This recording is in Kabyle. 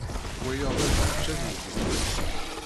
Wayeḍ ad yečč ad igen.